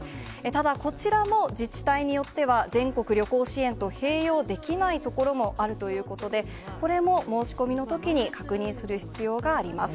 ただ、こちらも自治体によっては全国旅行支援と併用できない所もあるということで、これも申し込みのときに確認する必要があります。